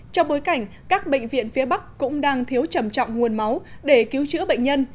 trong bối cảnh các bệnh viện phía bắc cũng đang thiếu trầm trọng nguồn máu để cứu chữa bệnh nhân